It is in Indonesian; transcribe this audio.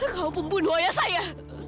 kau pembunuh ayah saya